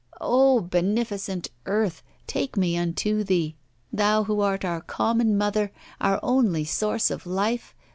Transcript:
'Oh, beneficent earth, take me unto thee, thou who art our common mother, our only source of life!